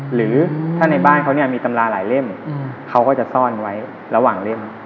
หรือถ้าในบ้านเขาเนี่ยมีตำราหลายเล่มเขาก็จะซ่อนไว้ระหว่างเล่ม